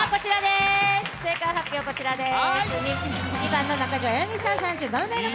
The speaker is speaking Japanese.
正解発表こちらです。